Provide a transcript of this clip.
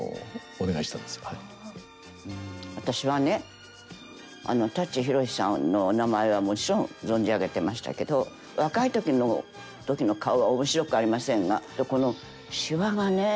私はねあの舘ひろしさんのお名前はもちろん存じ上げてましたけど若い時の顔は面白くありませんがこのシワがね。